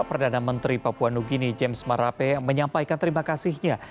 perdana menteri papua new guine james marape menyampaikan terima kasihnya